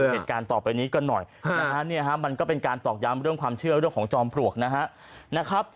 เหตุการณ์ต่อไปนี้กันหน่อยนะฮะมันก็เป็นการตอกย้ำเรื่องความเชื่อเรื่องของจอมปลวกนะครับ